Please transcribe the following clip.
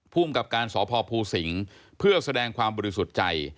ภูมิกับการสพภูสิงศ์เพื่อแสดงความบริสุทธิ์ใจ